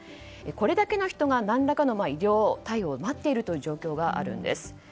これだけの人が何らかの医療対応を待っている状況があるんです。